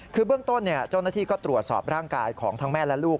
คือเบื้องต้นเจ้าหน้าที่ก็ตรวจสอบร่างกายของทั้งแม่และลูก